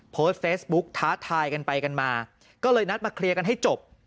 โพสต์เฟซบุ๊กท้าทายกันไปกันมาก็เลยนัดมาเคลียร์กันให้จบ